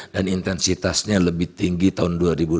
dan intensitasnya lebih tinggi tahun dua ribu dua puluh satu